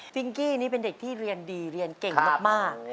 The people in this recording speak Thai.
กี้นี่เป็นเด็กที่เรียนดีเรียนเก่งมาก